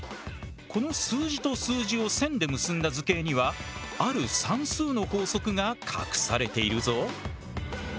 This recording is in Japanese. この数字と数字を線で結んだ図形にはある算数の法則が隠されているぞ。